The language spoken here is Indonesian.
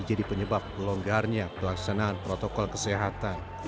jadi penyebab pelonggarnya pelaksanaan protokol kesehatan